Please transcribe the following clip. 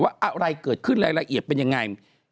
อะไรเกิดขึ้นรายละเอียดเป็นยังไง